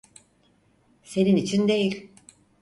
Senin için değil.